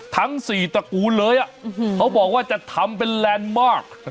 ทั้ง๔ตระกูลเลยเขาบอกว่าจะทำเป็นแลนด์มาก